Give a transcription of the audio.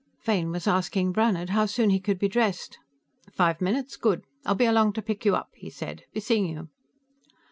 Fane was asking Brannhard how soon he could be dressed. "Five minutes? Good, I'll be along to pick you up," he said. "Be seeing you."